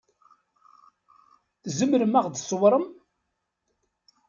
Tzemrem ad ɣ-d-tṣewṛem?